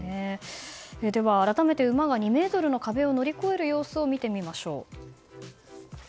改めて馬が２ｍの壁を跳び越える様子を見てみましょう。